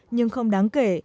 nhưng không đáng kể